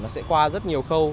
nó sẽ qua rất nhiều khâu